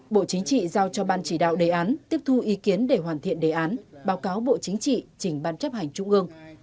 bộ chính trị giao cho ban chỉ đạo đề án tiếp thu ý kiến để hoàn thiện đề án báo cáo bộ chính trị trình ban chấp hành trung ương